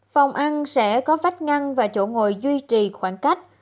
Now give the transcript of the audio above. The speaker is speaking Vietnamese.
phòng ăn sẽ có vách ngăn và chỗ ngồi duy trì khoảng cách